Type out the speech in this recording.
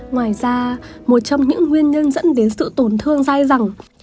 ngoài ra một trong những nguyên nhân dẫn đến sự tổn thương dai rẳng